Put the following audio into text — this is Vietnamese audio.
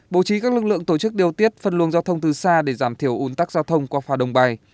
bố trí các lực lượng tổ chức điều tiết phân luồng giao thông từ xa để giảm thiểu ủn tắc giao thông qua phà đồng bài